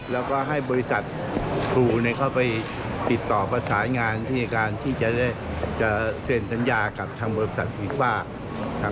และให้บริษัทหูไปติดต่อประสายงานที่จะได้เซนสัญญากับบริษัทธรีย์ฟ่า